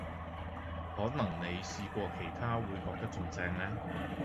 可能你試過其他會覺得仲正呢